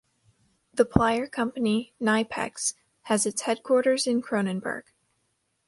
The plier-company Knipex has its headquarters in Cronenberg.